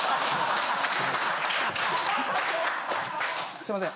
すいません。